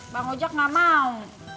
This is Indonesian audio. bang ojak gak mau